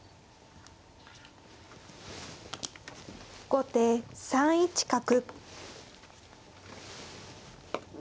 後手３一角。